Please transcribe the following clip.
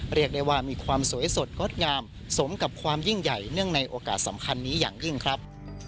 เรียกได้ว่ามีความสวยสดงดงามสมกับความยิ่งใหญ่เนื่องในโอกาสสำคัญนี้อย่างยิ่งครับ